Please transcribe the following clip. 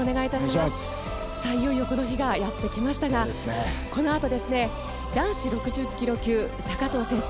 いよいよこの日がやってきましたがこのあと男子６０ｋｇ級高藤選手。